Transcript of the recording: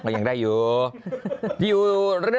ยังได้อยู่